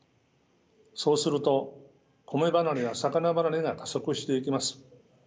そうすると米離れや魚離れが加速してゆきます。